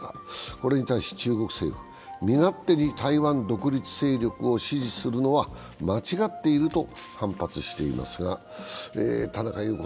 これに対し中国政府、身勝手に台湾独立勢力を支持するのは間違っていると反発しています。